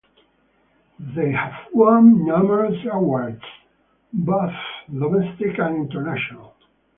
They have won numerous awards, both domestic and international.